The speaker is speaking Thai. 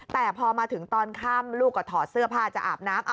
แต่พอมาถึงตอนค่ำลูกก็ถอดเสื้อผ้าจะอาบน้ำ